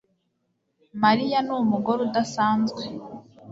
Mariya numugore udasanzwe